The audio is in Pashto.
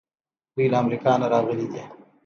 دوی له امریکا نه راغلي دي.